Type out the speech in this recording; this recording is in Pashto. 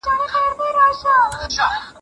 راروان د هیندوستان په اوږد سفر شوم